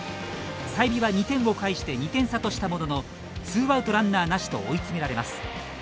済美は２点を返して２点差としたもののツーアウトランナーなしと追い詰められます。